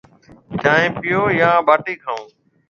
چونه پِيو يان ٻاٽِي کائون؟